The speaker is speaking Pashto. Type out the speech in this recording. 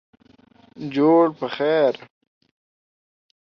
جوړ پخیر